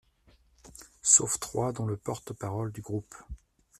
Sauf trois dont le porte-parole du groupe